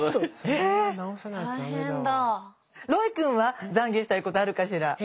ロイ君は懺悔したいことあるかしら？